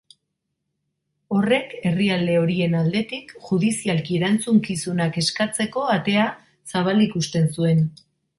Horrek herrialde horien aldetik judizialki erantzukizunak eskatzeko atea zabalik uzten zuen.